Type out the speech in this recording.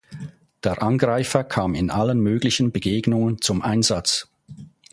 Der Angreifer kam in allen möglichen Begegnungen zum Einsatz.